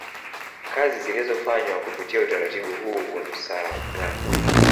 Kazi zilizofanywa kupitia utaratibu huu wa msaragambo